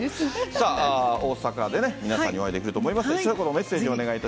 さあ、大阪でね、皆さんにお会いできると思います。